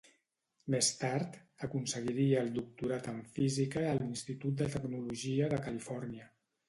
Més tard, aconseguiria el doctorat en física a l'Institut de Tecnologia de Califòrnia.